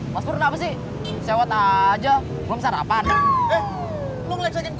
maspur apa sih sewa aja belum sarapan belum sarapan